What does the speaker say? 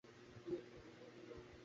সুতরাং এখন সাহায্যের চেষ্টা বৃথা।